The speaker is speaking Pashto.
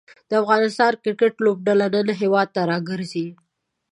د افغانستان کریکټ لوبډله نن هیواد ته راګرځي.